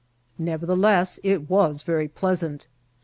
Never^ theless, it was very pleasant.